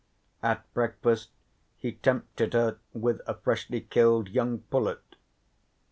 At breakfast he tempted her with a freshly killed young pullet.